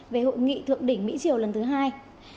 về hội nghị thượng đỉnh mỹ triều lần thứ hai